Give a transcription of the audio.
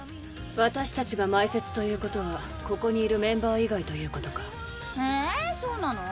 私たちが前説ということはここにいるメンバー以外ということかええそうなの？